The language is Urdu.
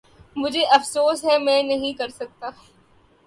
مجھے افسوس ہے میں نہیں کر سکتا۔